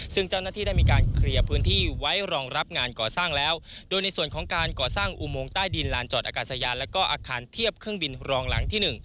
ซึ่งเจ้าหน้าที่ได้มีการเคลียร์พื้นที่ไว้รองรับงานก่อสร้างแล้วโดยในส่วนของการก่อสร้างอุโมงใต้ดินลานจอดอากาศยานแล้วก็อาคารเทียบเครื่องบินรองหลังที่หนึ่ง